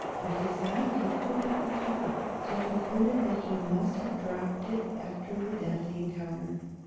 But his knife he could not recover, so concluded that he must have dropped it after the deadly encounter.